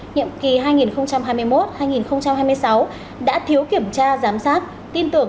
nhậm kỳ hai nghìn hai mươi một hai nghìn hai mươi sáu đã thiếu kiểm tra giám sát